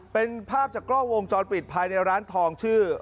เป็นภาพจากกล้องวงจรปิดภายในร้านทองชื่อ